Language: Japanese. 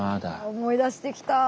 思い出してきた！